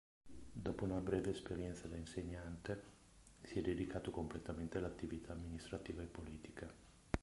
Dopo una breve esperienza da insegnante, si è dedicato completamente all'attività amministrativa e politica.